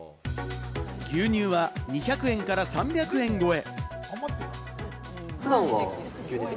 牛乳は２００円から３００円超え。